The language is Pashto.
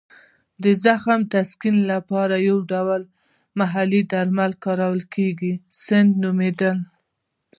د زخم د تسکین لپاره یې یو ډول محلي درمل کارول چې سنو نومېدل.